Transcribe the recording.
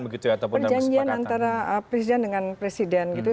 perjanjian antara presiden dengan presiden gitu